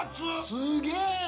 すげえ。